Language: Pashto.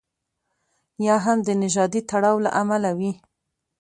یا هم د نژادي تړاو له امله وي.